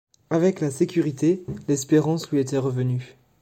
Avec la sécurité l’espérance lui était revenue.